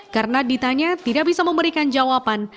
karena ditanya tidak bisa memberikan